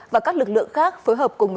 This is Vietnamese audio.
và các lực lượng khác phối hợp cùng